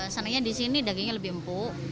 senangnya di sini dagingnya lebih empuk